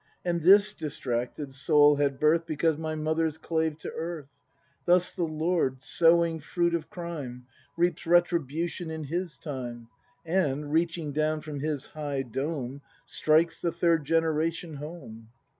And this distracted soul had birth Because my mother's clave to earth. Thus the Lord, sowing fruit of crime, Reaps retribution in His time. And, reaching down from His high dome. Strikes the third generation home.